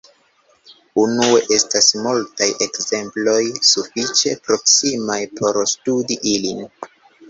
Unue, estas multaj ekzemploj sufiĉe proksimaj por studi ilin.